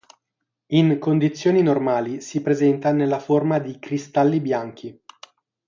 In condizioni normali si presenta nella forma di cristalli bianchi.